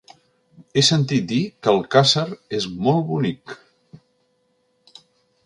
He sentit a dir que Alcàsser és molt bonic.